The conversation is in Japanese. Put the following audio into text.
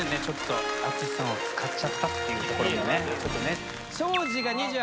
ちょっと淳さんを使っちゃったっていうところがね